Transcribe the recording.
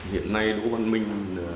hiện nay đỗ văn minh